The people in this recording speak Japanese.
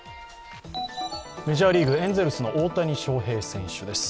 メジャーリーグ、エンゼルスの大谷翔平選手です。